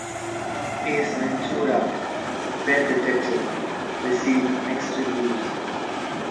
"Ace Ventura: Pet Detective" received mixed reviews.